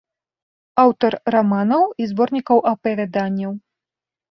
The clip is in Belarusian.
Аўтар раманаў і зборнікаў апавяданняў.